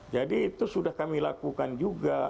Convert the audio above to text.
jadi itu sudah kami lakukan juga